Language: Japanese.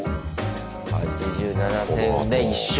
８７戦で１勝。